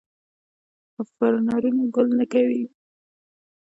فرنونه ګل نه کوي